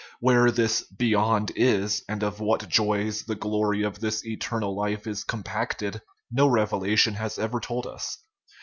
Where this " beyond " is, and of what joys the glory of this eternal life is compacted, no revelation has ever told us.